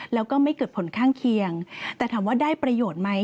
แล้วก็ไม่เกิดผลข้างเคียงแต่ถามว่าได้ประโยชน์ไหม